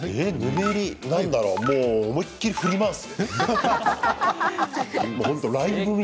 なんだろう思い切り振り回す。